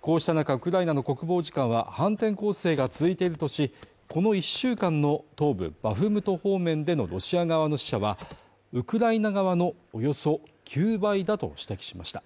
こうした中、ウクライナの国防次官は反転攻勢が続いているとし、この１週間の東部バフムト方面でのロシア側の死者は、ウクライナ側のおよそ９倍だと指摘しました。